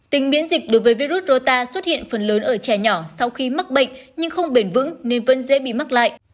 tính miễn dịch đối với virus rota xuất hiện phần lớn ở trẻ nhỏ sau khi mắc bệnh nhưng không bền vững nên vẫn dễ bị mắc lại